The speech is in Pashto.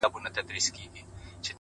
ياره د مُلا په قباله دې سمه’